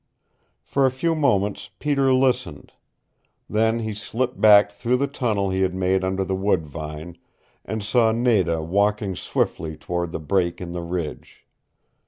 For a few moments Peter listened. Then he slipped back through the tunnel he had made under the wood vine, and saw Nada walking swiftly toward the break in the ridge.